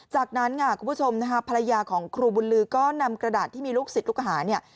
จากนั้นค่ะคุณผู้ชมนะฮะภรรยาของครูบุญลือก็นำกระดาษที่มีลูกศิษย์ลูกหาเนี่ย